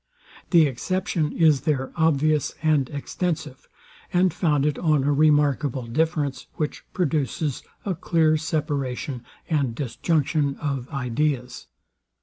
The exception is there obvious and extensive, and founded on a remarkable difference, which produces a clear separation and disjunction of ideas.